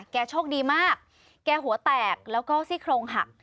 โชคดีมากแกหัวแตกแล้วก็ซี่โครงหัก